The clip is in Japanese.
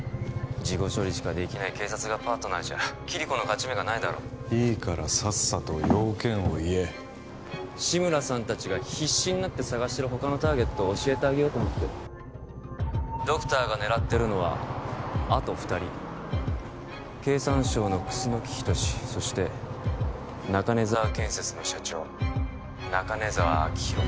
事後処理しかできない警察がパートナーじゃキリコの勝ち目がないだろういいからさっさと用件を言え志村さん達が必死になって捜してる他のターゲット教えてあげようと思ってドクターが狙ってるのはあと二人経産省の楠仁志そして中根沢建設の社長中根沢晃浩